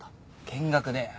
見学だよ。